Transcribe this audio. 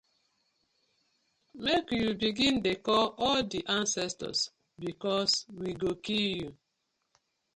Mek yu begin de call all de ancestors because we go kill yu.